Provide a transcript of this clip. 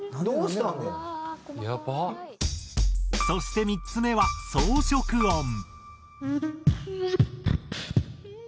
そして３つ目は装飾音。